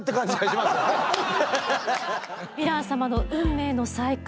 ヴィラン様の運命の再会